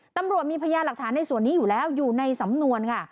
ตำรวจมีพยานหลักฐานในส่วนนี้อยู่แล้วอยู่ในสำนวนค่ะ